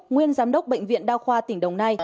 nguyên giám đốc bệnh viện đa khoa tỉnh đồng nai